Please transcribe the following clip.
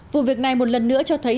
vụ việc này một lần nữa cho thấy